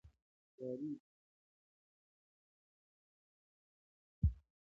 ماري کوري ولې د پیچبلېند کان مطالعه وکړه؟